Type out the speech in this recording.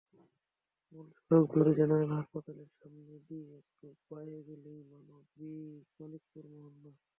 মূল সড়ক ধরে জেনারেল হাসপাতালের সামনে দিয়ে একটু বাঁয়ে গেলেই মানিকপুর মহল্লা।